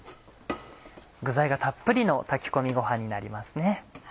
具材がたっぷりの炊き込みごはんになりますね。